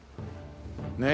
ねえ。